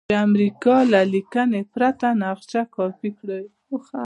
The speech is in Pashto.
د امریکا له لیکنې پرته نقشه کاپي کړئ.